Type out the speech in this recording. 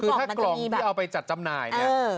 คือถ้ากล่องที่เอาไปจัดจำหน่ายเนี่ย